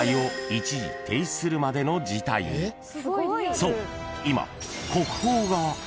［そう］